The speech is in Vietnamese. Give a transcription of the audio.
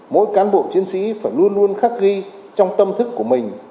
mỗi cán bộ chiến sĩ phải luôn luôn khắc ghi trong tâm thức của mình